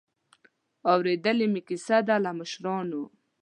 اورېدلې مې کیسه ده له مشرانو.